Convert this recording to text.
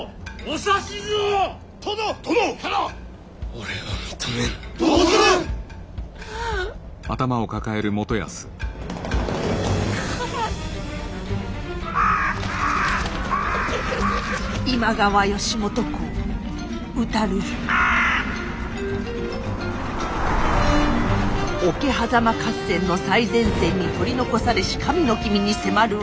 桶狭間合戦の最前線に取り残されし神の君に迫るはこの男。